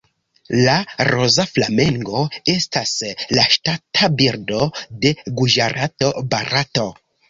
La Roza flamengo estas la ŝtata birdo de Guĝarato, Barato.